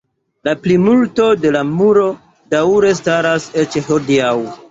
La plimulto de la muro daŭre staras eĉ hodiaŭ.